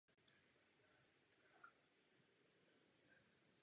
Bývala sídlem biskupství.